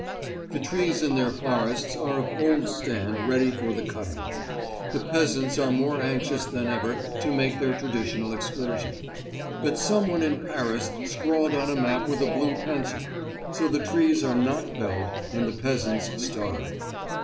The trees in their forests as of old stand ready for the cutting. The peasants are more anxious than ever to make their traditional excursion. But someone in Paris scrawled on a map with a blue pencil, so the trees are not felled and the peasants starve.